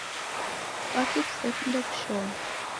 Kwaki kusekunde kushoma?